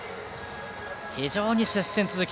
非常に接戦続き。